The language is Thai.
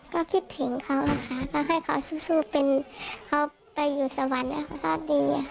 ก็คิดถึงเค้าละค่ะก็ให้เค้าสู้เป็นเค้าไปอยู่สวรรค์ก็ดี